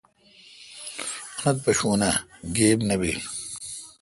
اونتھ پشون اؘ گیب نہ بیل۔